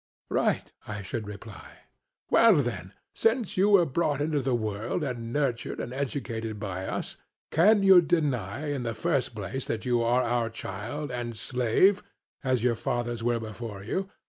Right, I should reply. 'Well then, since you were brought into the world and nurtured and educated by us, can you deny in the first place that you are our child and slave, as your fathers were before you?